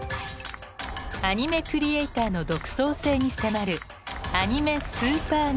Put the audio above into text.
アニメクリエーターの独創性に迫る